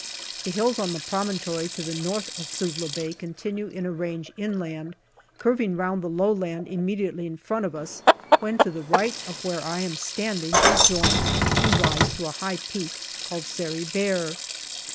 The hills on the promontory to the north of Suvla Bay continue in a range inland, curving round the low land immediately in front of us, when to the right of where I am standing they join and rise to a high peak called Sari Bair.